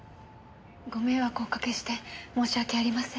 ご迷惑をおかけして申し訳ありません。